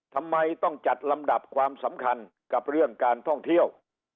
ทำไมต้องจัดลำดับความสำคัญกับเรื่องการท่องเที่ยว